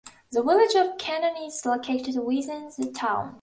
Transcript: The Village of Kennan is located within the town.